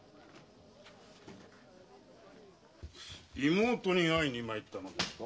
妹に会いに参ったのですか？